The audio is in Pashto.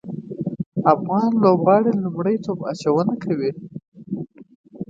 افغان لوبغاړي لومړی توپ اچونه کوي